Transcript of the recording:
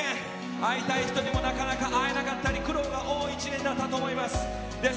会いたい人にもなかなか会えなかったり苦労の多かった１年だと思います。